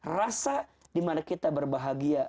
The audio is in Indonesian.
rasa dimana kita berbahagia